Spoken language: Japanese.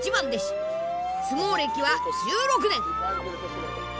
相撲歴は１６年！